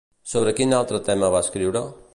Sobre quin altre tema va escriure?